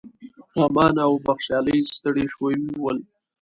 امان او بخشالۍ ستړي شوي ول.